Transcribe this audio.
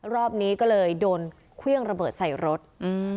รอบนี้ก็เลยโดนเครื่องระเบิดใส่รถ